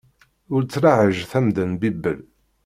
Ur ttlaɛej tamda n bibel.